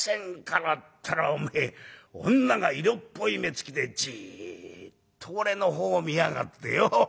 ったらおめえ女が色っぽい目つきでじっと俺のほうを見やがってよ。